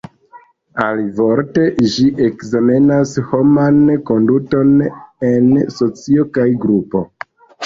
Alivorte, ĝi ekzamenas homan konduton en socio kaj grupo.